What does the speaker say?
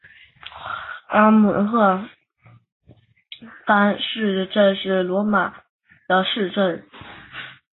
阿姆斯特丹市旗是荷兰首都阿姆斯特丹的市旗。